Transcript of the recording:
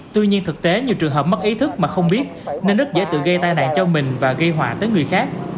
tuy nhiên thực tế nhiều trường hợp mất ý thức mà không biết nên rất dễ tự gây tai nạn cho mình và gây họa tới người khác